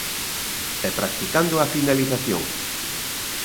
E practicando a finalización.